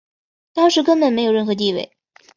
当时根本没有任何地位。